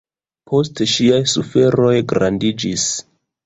Poste, ŝiaj suferoj grandiĝis.